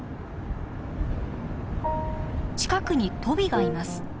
近くにトビがいます。